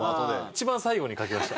一番最後に描きました。